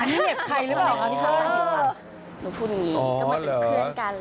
อันนี้เหล็กใครหรือเปล่าครับพี่พี่พ่อค่ะหนูพูดอย่างนี้ก็เหมือนเป็นเพื่อนกันอ๋อเหรอ